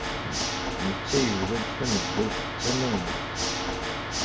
Netta yebda-d tameddurt d tamaynut.